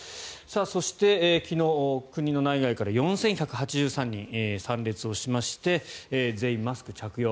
そして、昨日国の内外から４１８３人が参列をしまして全員マスク着用。